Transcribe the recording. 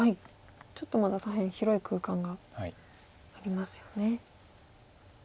ちょっとまだ左辺広い空間がありますよね。